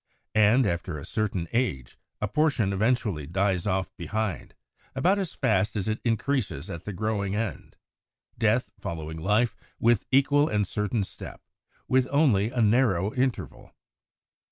And after a certain age, a portion annually dies off behind, about as fast as it increases at the growing end, death following life with equal and certain step, with only a narrow interval.